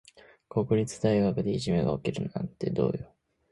国立大学でいじめが起きるなんてどうよ。